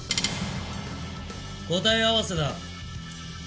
答え合わせだ。